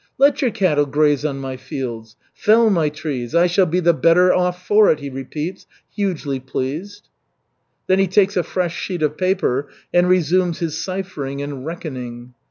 "Let your cattle graze on my fields, fell my trees. I shall be the better off for it," he repeats, hugely pleased. Then he takes a fresh sheet of paper and resumes his ciphering and reckoning.